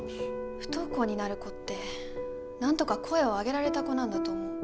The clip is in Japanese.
不登校になる子ってなんとか声を上げられた子なんだと思う。